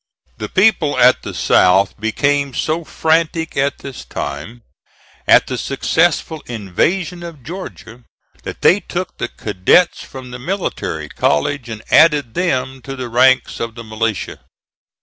The people at the South became so frantic at this time at the successful invasion of Georgia that they took the cadets from the military college and added them to the ranks of the militia.